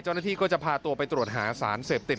เจ้าหน้าที่ก็จะพาตัวไปตรวจหาสารเสพติด